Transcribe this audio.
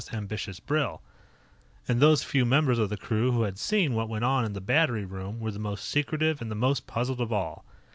Ambitious Brill. And those few members of the crew who had seen what went on in the battery room were the most secretive and the most puzzled of all.